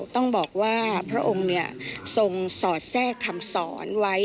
ต้องบอกว่าพระองค์ทรงสอดแทรกคำสอนไว้